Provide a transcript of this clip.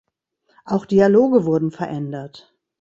Auch Dialoge wurden verändert.